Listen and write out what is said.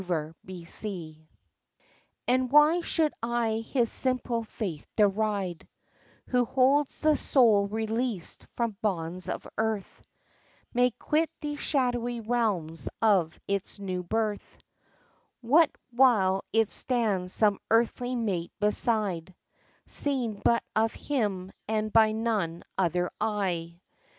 XVI GHOSTS AND why should I his simple faith deride Who holds the soul released from bonds of earth May quit the shadowy realms of its new birth — What while it stands some earthly mate beside, Seen but of him and by none other eye?